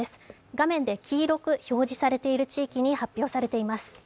画面で黄色く表示されている地域に発表されています。